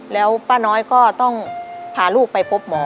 แล้วป้าน้อยก็ต้องพาลูกไปพบหมอ